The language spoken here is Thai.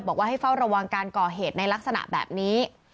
บอกว่าให้เฝ้าระวังการก่อเหตุในลักษณะแบบนี้